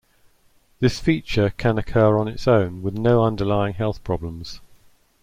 This feature can occur on its own, with no underlying health problems.